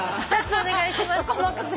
２つお願いします。